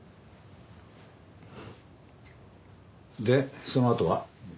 でそのあとは？